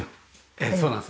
ええそうなんです。